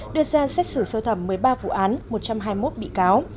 đưa ra xét xử sơ thẩm một mươi ba vụ án một trăm hai mươi một bị cáo